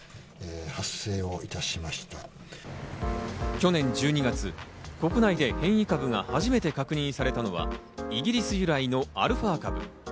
去年１２月、国内で変異株が初めて確認されたのはイギリス由来のアルファ株。